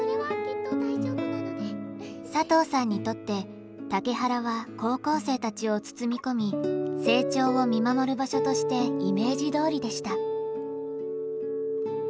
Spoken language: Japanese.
佐藤さんにとって竹原は高校生たちを包み込み成長を見守る場所としてイメージどおりでした。